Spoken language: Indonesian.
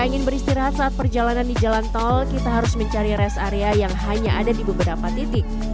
ingin beristirahat saat perjalanan di jalan tol kita harus mencari rest area yang hanya ada di beberapa titik